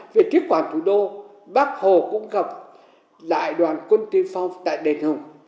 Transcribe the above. về thiết quản thủ đô bác hồ cũng gặp lại đoàn quân tiên phong tại đền hồng